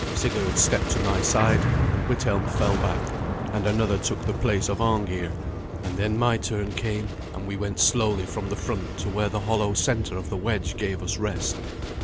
Sigurd stepped to my side, and Withelm fell back, and another took the place of Arngeir, and then my turn came, and we went slowly from the front to where the hollow centre of the wedge gave us rest.